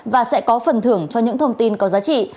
và sẽ có phần thưởng cho những thông tin có giá trị